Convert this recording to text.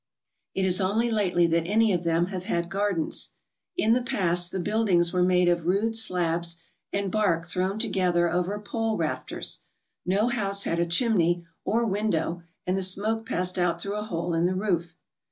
It is only lately that any of them have had gardens. In the past the buildings were made of rude slabs and bark thrown to gether over pole rafters. No house had a chimney or window and the smoke passed out through a hole in the roof.